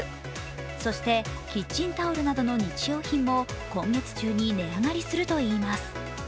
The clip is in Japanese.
そして、キッチンタオルなどの日用品も今月中に値上がりするといいます。